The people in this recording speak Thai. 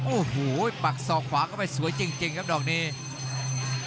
โอ้โหปักศอกขวาเข้าไปสวยจริงครับดอกนี้